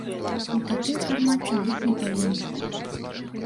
У такім фармаце быць не павінна.